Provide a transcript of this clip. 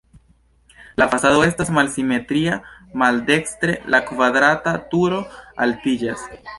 La fasado estas malsimetria, maldekstre la kvadrata turo altiĝas.